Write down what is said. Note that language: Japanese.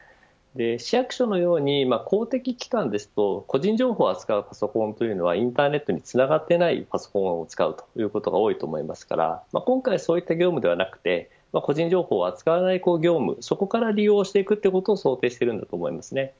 市役所のように公的機関ですと個人情報を扱うパソコンというのはインターネットにつながっていないパソコンを使うということが多いと思いますから今回そういった業務ではなくて個人情報は扱わない業務そこから利用していくということを想定しているんだと思います。